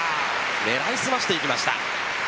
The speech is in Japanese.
狙い澄ましてきました。